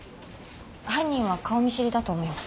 犯人は顔見知りだと思います。